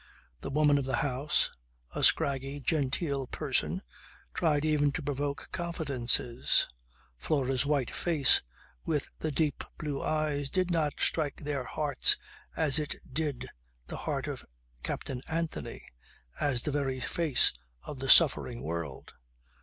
The woman of the house, a scraggy, genteel person, tried even to provoke confidences. Flora's white face with the deep blue eyes did not strike their hearts as it did the heart of Captain Anthony, as the very face of the suffering world.